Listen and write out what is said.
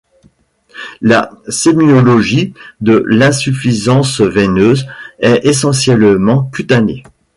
La sémiologie de l'insuffisance veineuse est essentiellement cutanée.